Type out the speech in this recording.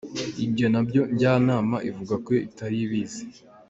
Ibyo na byo Njyanama ivuga ko itari ibizi.